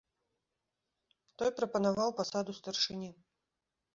Той прапанаваў пасаду старшыні.